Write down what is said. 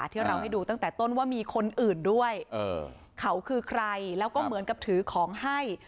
ที่เราให้ดูตั้งแต่ต้นว่ามีคนอื่นด้วยเขาคือใครแล้วก็เหมือนกับถือของให้